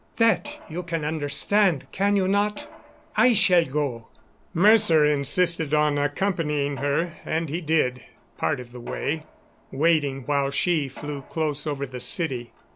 That you can understand, can you not? I shall go." Mercer insisted on accompanying her; and he did, part of the way, waiting while she flew close over the city.